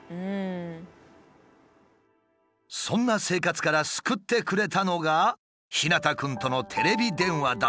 そんな生活から救ってくれたのが太陽くんとのテレビ電話だった。